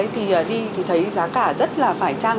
thì thấy giá cả rất là phải trăng